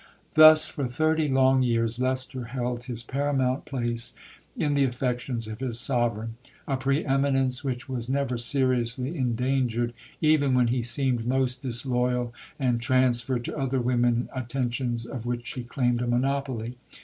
Thus for thirty long years Leicester held his paramount place in the affections of his Sovereign a pre eminence which was never seriously endangered even when he seemed most disloyal, and transferred to other women attentions of which she claimed a monopoly.